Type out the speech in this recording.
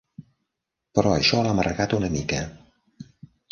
Però això l'ha amargat una mica.